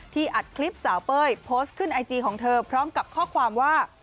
อัดคลิปสาวเป้ยโพสต์ขึ้นไอจีของเธอพร้อมกับข้อความว่า